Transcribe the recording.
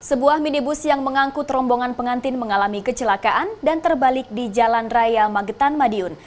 sebuah minibus yang mengangkut rombongan pengantin mengalami kecelakaan dan terbalik di jalan raya magetan madiun